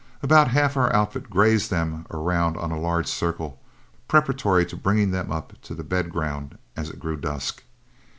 About half our outfit grazed them around on a large circle, preparatory to bringing them up to the bed ground as it grew dusk.